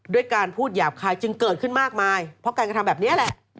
ด้วยการพูดหยาบคายจึงเกิดขึ้นมากมายเพราะการกระทำแบบนี้แหละ